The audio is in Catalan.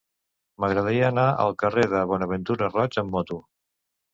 M'agradaria anar al carrer de Bonaventura Roig amb moto.